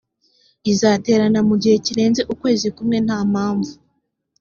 izaterana mu gihe kirenze ukwezi kumwe nta mpamvu